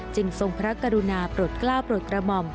ทรงพระกรุณาปลดกล้าปลดกระหม่อม